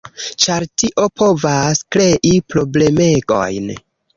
ĉar tio povas krei problemegojn.